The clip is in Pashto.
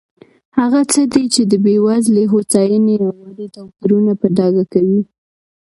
هغه څه دي چې د بېوزلۍ، هوساینې او ودې توپیرونه په ډاګه کوي.